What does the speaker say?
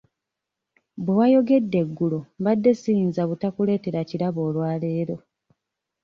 Bwe wayogedde eggulo mbadde siyinza butakuleetera kirabo olwaleero.